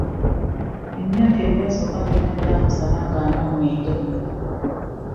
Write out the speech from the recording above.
Emyaka egyasooka gyonna gyamusala ng'anywa mwenge.